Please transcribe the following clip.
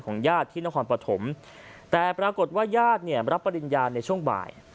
ญาติที่นครปฐมแต่ปรากฏว่าญาติเนี่ยรับปริญญาณในช่วงบ่าย